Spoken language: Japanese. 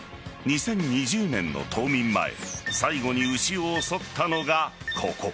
２０２０年の冬眠前最後に牛を襲ったのがここ。